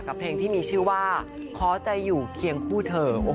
กับเพลงที่มีชื่อว่าครอชให้อยู่เคียงคู่เถอะ